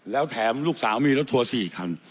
แล้วแถมลูกสาวมีรัดทั่ว๔ถัง